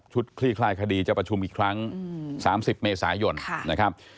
คลี่คลายคดีจะประชุมอีกครั้ง๓๐เมษายนนะครับ